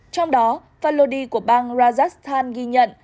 trong đó valodi của bang rajasthan ghi nhận